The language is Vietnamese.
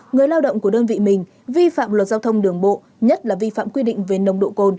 người lao động của đơn vị mình vi phạm luật giao thông đường bộ nhất là vi phạm quy định về nồng độ cồn